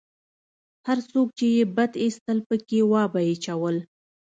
هر څوک چې يې بد اېسېدل پکښې وابه يې چول.